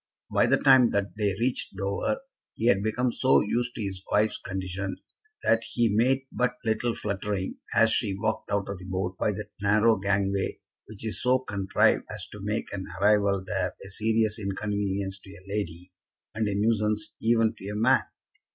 By the time that they reached Dover he had become so used to his wife's condition that he made but little fluttering as she walked out of the boat by that narrow gangway which is so contrived as to make an arrival there a serious inconvenience to a lady, and a nuisance even to a man.